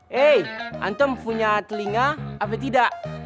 hei anton punya telinga apa tidak